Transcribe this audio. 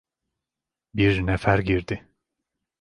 Bir nefer girdi.